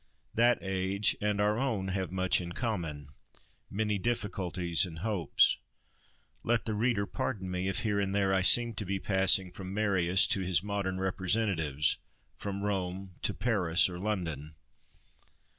That age and our own have much in common—many difficulties and hopes. Let the reader pardon me if here and there I seem to be passing from Marius to his modern representatives—from Rome, to Paris or London.